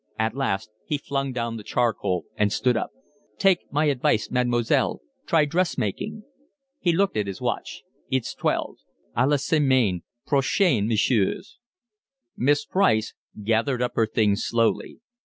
At last he flung down the charcoal and stood up. "Take my advice, Mademoiselle, try dressmaking." He looked at his watch. "It's twelve. A la semaine prochaine, messieurs." Miss Price gathered up her things slowly.